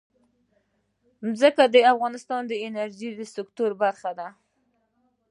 ځمکه د افغانستان د انرژۍ سکتور برخه ده.